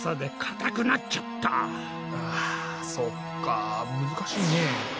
そっか難しいね。